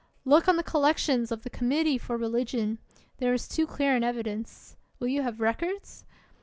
Look on the collec tions of the committee for religion; there is too clear an evidence. Will you have records?